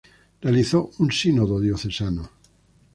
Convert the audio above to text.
Realizó un sínodo diocesano.